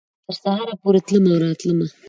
تر سهاره پورې تلمه او راتلمه